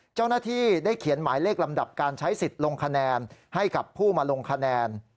เจ้าหน้าที่ได้เขียนหมายเลขลำดับการใช้สิทธิ์ลงคะแนนให้กับผู้มาลงคะแนน